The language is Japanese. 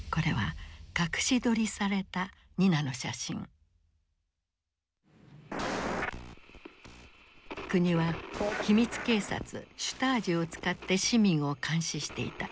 これは国は秘密警察シュタージを使って市民を監視していた。